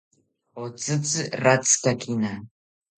Otzitzi ratzikakina